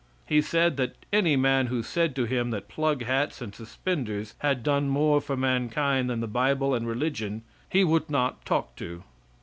He said that any man who said to him that plug hats and suspenders had done more for mankind than the Bible and religion he would not talk to.